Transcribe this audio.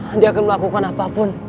andi akan melakukan apapun